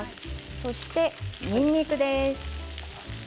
そして、にんにくです。